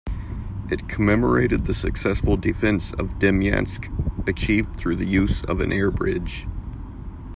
It commemorated the successful defence of Demyansk, achieved through the use of an airbridge.